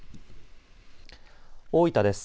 大分です。